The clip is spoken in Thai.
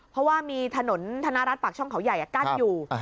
เพราะว่ามีถนนธนรัฐปากช่องเขาใหญ่กั้นอยู่